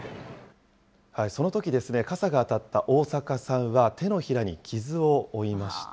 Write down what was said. そのとき、傘が当たった逢阪さんは手のひらに傷を負いました。